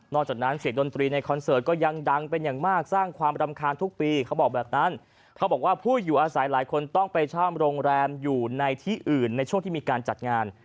จากนั้นเสียงดนตรีในคอนเสิร์ตก็ยังดังเป็นอย่างมากสร้างความรำคาญทุกปีเขาบอกแบบนั้นเขาบอกว่าผู้อยู่อาศัยหลายคนต้องไปช่ำโรงแรมอยู่ในที่อื่นในช่วงที่มีการจัดงาน